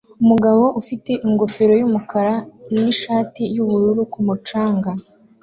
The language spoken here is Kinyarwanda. Umugabo ufite ingofero yumukara nishati yubururu ku mucanga